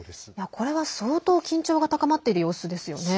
これは相当緊張が高まっている様子ですよね。